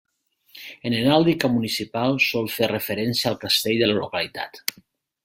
En heràldica municipal sol fer referència al castell de la localitat.